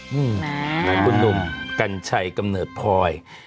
หลายคนหนุ่มกัญชัยกำเนิดพลอย